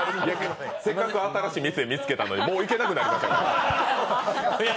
せっかく新しい店見つけたのにもう行けなくなる。